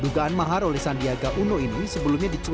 dugaan mahar oleh sandiaga uno ini sebelumnya dicoba oleh pks